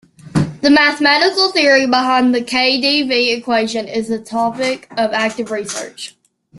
The mathematical theory behind the KdV equation is a topic of active research.